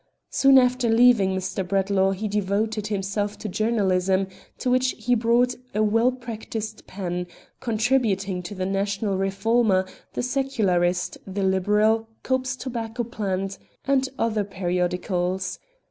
Soon after leaving Mr. Bradlaugh he devoted himself to journalism, to which he brought a well practised pen; contributing to the National Reformer, the Secularist, the Liberal, Cope's Tobacco Plant, and other periodicals.